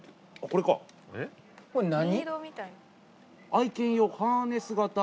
これ何？